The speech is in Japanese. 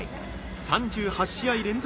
３８試合連続